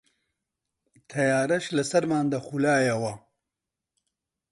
تەیارەش لە سەرمان دەخولایەوە